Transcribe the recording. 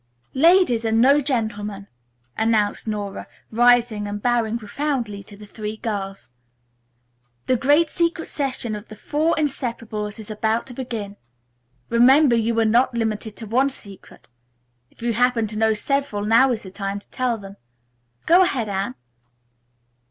"Ladies and no gentlemen," announced Nora, rising and bowing profoundly to the three girls, "the great secret session of the four inseparables is about to begin. Remember, you are not limited to one secret. If you happen to know several, now is the time to tell them. Go ahead, Anne."